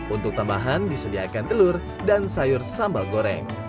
untuk tambahan disediakan telur dan sayur sambal goreng